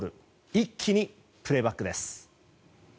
一気にプレーバックです。